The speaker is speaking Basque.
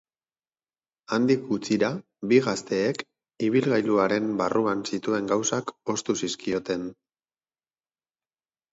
Handik gutxira, bi gazteek ibilgailuaren barruan zituen gauzak ostu zizkioten.